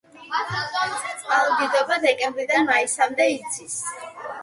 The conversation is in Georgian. წყალდიდობა დეკემბრიდან მაისამდე იცის.